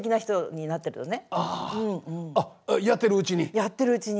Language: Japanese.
やってるうちに。